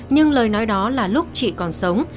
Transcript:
nhưng lời nói đó là lúc chị còn sống